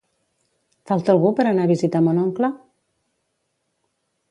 Falta algú per anar a visitar mon oncle?